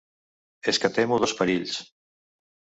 -És que temo dos perills.